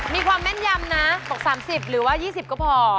แม่นยำนะบอก๓๐หรือว่า๒๐ก็พอ